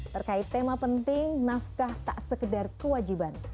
terkait tema penting nafkah tak sekedar kewajiban